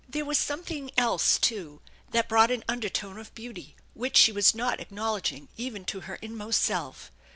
There was something else too that brought an undertone of beauty, which she was not acknowledging even to her inmost self.